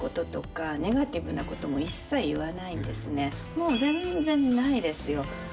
もう全然ないですよ。